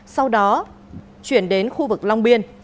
sau đó chuyển đến khu vực long biên